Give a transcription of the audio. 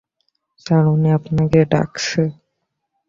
Sir, ওনি আপনাকে ডাকছে।